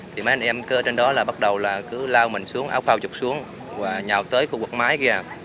thì mấy anh em cứ ở trên đó là bắt đầu là cứ lao mình xuống áo phao chụp xuống và nhào tới khu vực mái kia